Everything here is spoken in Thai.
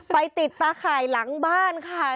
ไปติดปลาไข่หลังบ้านค่ะ